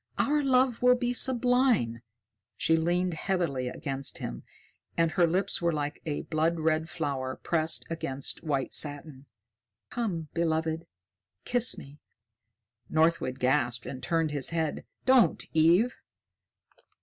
"Our love will be sublime." She leaned heavily against him, and her lips were like a blood red flower pressed against white satin. "Come, beloved, kiss me!" Northwood gasped and turned his head. "Don't, Eve!"